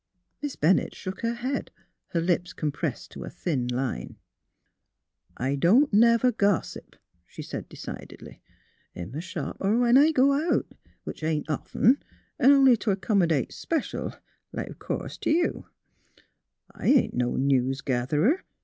" Miss Bennett shook her head, her lips com pressed to a thin line. 190 THE HEART OF PHILUEA " I don't never gossip," she said, decidedly. " In m' shop, or when I go out — which ain't often, an' only t' accomydate special, like of course t' you. I ain't no news getherer.